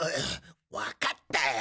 分かったよ。